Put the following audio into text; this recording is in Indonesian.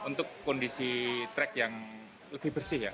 untuk kondisi trek yang lebih bersih ya